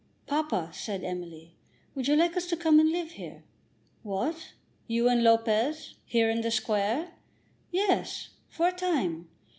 "Papa," said Emily, "would you like us to come and live here?" "What, you and Lopez; here, in the Square?" "Yes; for a time.